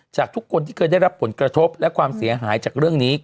จากทุกคนที่เคยได้รับผลกระทบและความเสียหายจากเรื่องนี้